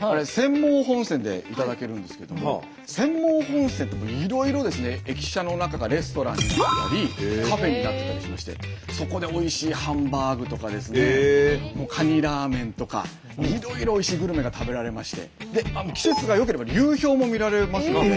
あれ釧網本線で頂けるんですけども釧網本線っていろいろ駅舎の中がレストランになってたりカフェになってたりしましてそこでおいしいハンバーグとかカニラーメンとかいろいろおいしいグルメが食べられまして季節が良ければ流氷も見られますので。